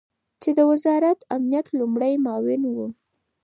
چې د وزارت امنیت لومړی معاون ؤ